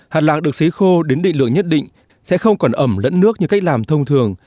hạt lạc được xấy khô đến định lượng nhất định sẽ không còn ẩm lẫn nước như cách làm thông thường